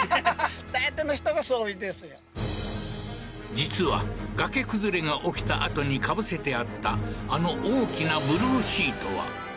実は崖崩れが起きた跡に被せてあったあの大きなブルーシートはえっ？